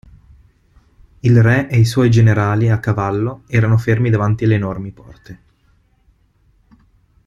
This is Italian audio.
Il Re e i suoi generali, a cavallo, erano fermi davanti le enormi porte.